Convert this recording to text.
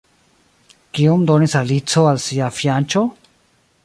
Kion donis Alico al sia fianĉo?